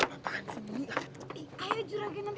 apaan sih ini